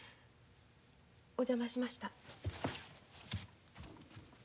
お邪魔しました。